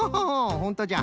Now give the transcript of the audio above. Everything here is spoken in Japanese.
ほんとじゃ。